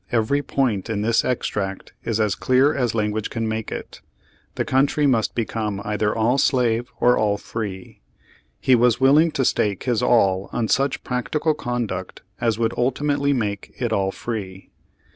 Every point in this extract is as clear as language can make it. The country must become either all slave or all free. He was willing to stake his all on such practical conduct as would ultimately make it all free.